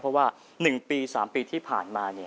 เพราะว่า๑ปี๓ปีที่ผ่านมา